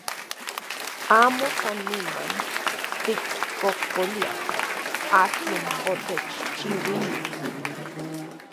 Amo san niman tikkokoliaj akin otechchiuili.